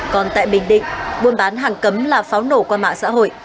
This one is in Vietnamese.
còn tại bình định buôn bán hàng cấm là pháo nổ qua mạng xã hội